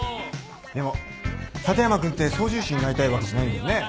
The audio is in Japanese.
でも立山君って操縦士になりたいわけじゃないんだよね？